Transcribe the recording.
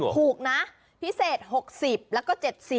ถูกนะพิเศษ๖๐แล้วก็๗๐